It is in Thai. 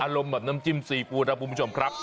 อารมณ์แบบน้ำจิ้ม๔ปูท่าครับคุณผู้ผู้ชมครับ